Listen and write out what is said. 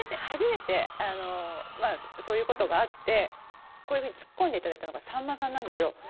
初めてあのそういう事があってこういうふうに突っ込んでいただいたのがさんまさんなんですよ。